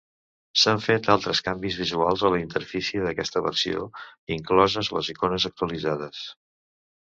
S'han fet altres canvis visuals a la interfície d'aquesta versió, incloses les icones actualitzades.